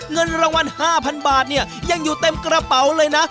เงินรางวัล๕๐๐๐บาทเนี่ยยังอยู่เต็มกระเป๋าเลยนะ